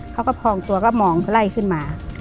เขาก็พองตัวก็มองไล่ขึ้นมา